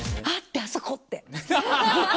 てあそこって。